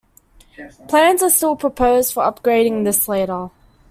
Plans are still proposed for upgrading this later.